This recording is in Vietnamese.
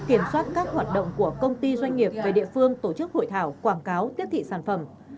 kiểm soát các hoạt động của công ty doanh nghiệp về địa phương tổ chức hội thảo quảng cáo tiếp thị sản phẩm